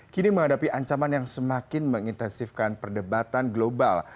kini menghadapi ancaman yang semakin mengintensifkan perdebatan global